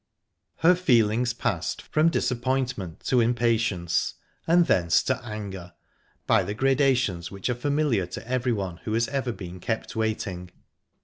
Her feelings passed from disappointment to impatience, and thence to anger, by the gradations which familiar to everyone who has ever been kept waiting.